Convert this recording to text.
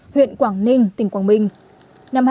huyện quảng ninh tỉnh quảng bình